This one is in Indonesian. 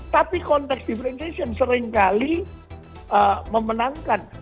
tapi konteks diferentation seringkali memenangkan